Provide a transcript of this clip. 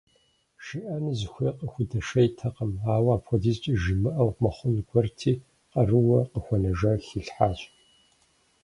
ЖиӀэну зыхуейр къыхудэшейтэкъым, ауэ апхуэдизкӀэ жимыӀэу мыхъун гуэрти, къарууэ къыхуэнэжар хилъхьащ.